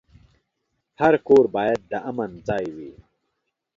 هر کور باید د امن ځای وي.